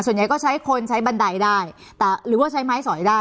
ส่วนใหญ่ก็ใช้คนใช้บันไดได้หรือว่าใช้ไม้สอยได้